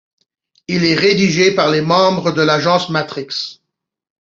Il est rédigé par les membres de l'Agence Matrix.